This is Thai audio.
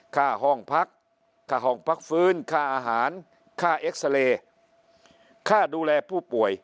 ค่าห้องพักค่าห้องพักฟื้นค่าอาหารค่าเอ็กซาเรย์ค่าดูแลผู้ป่วย